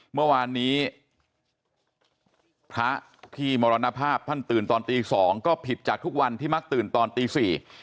เมื่อวานนี้พระที่มรณภาพท่านตื่นตอนตีสองก็ผิดจากทุกวันที่มักตื่นตอนตีสี่